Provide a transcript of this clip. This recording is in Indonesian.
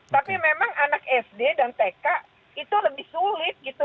tapi memang anak sd dan tk itu lebih sulit gitu